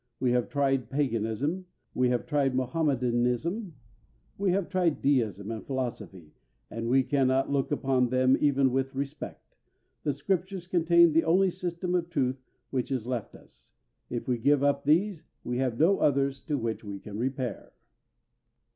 We have tried paganism, we have tried Mohammedanism, we have tried Deism and philosophy, and we can not look upon them even with respect. The Scriptures contain the only system of truth which is left us. If we give up these, we have no others to which we can repair.